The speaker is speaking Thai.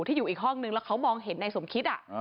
ที่อยู่อีกห้องนึงแล้วเขามองเห็นในสมคิด